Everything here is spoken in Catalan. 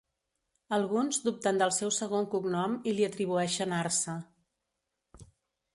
Alguns dubten del seu segon cognom i li atribueixen Arça.